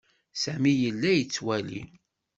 Sami yella yettwali.